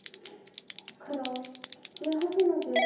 黒１８の十二。